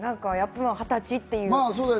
やっぱ二十歳っていう。